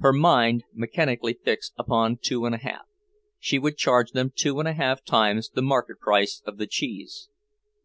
Her mind mechanically fixed upon two and a half; she would charge them two and a half times the market price of the cheese.